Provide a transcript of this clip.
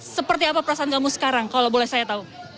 seperti apa perasaan kamu sekarang kalau boleh saya tahu